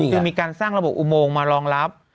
จึงมีการสร้างระบบอุโมงมารองรับ